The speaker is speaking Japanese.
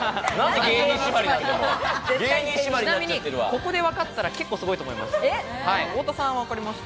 ちなみにここで分かったら結構すごいと思います。